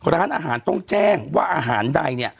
ร้านอาหารต้องแจ้งว่าอาหารใดเนี่ย